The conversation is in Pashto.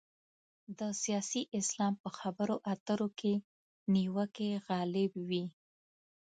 د سیاسي اسلام په خبرو اترو کې نیوکې غالب وي.